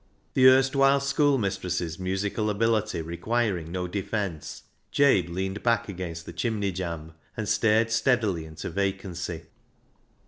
The erstwhile schoolmistress's musical ability requiring no defence, Jabe leaned back against the chimney jamb and stared steadily into vacancy.